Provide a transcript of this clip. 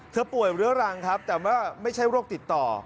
ป่วยเรื้อรังครับแต่ว่าไม่ใช่โรคติดต่อ